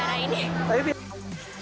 jadi seneng banget pada acara ini